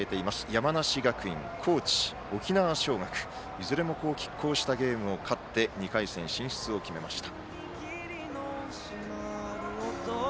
山梨学院、高知、沖縄尚学いずれもきっ抗したゲームを勝って２回戦進出を決めました。